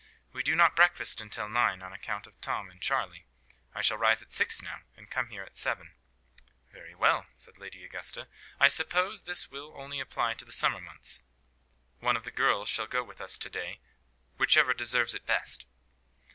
We do not breakfast until nine, on account of Tom and Charley. I shall rise at six now, and come here at seven." "Very well," said Lady Augusta. "I suppose this will only apply to the summer months. One of the girls shall go with us to day; whichever deserves it best."